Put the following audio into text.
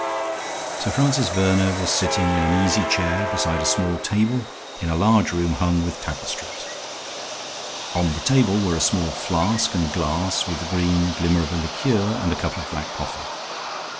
Sir Francis Verner was sitting in an easy chair beside a small table in a large room hung with tapestries. On the table were a small flask and glass, with the green glimmer of a liqueur and a cup of black coffee.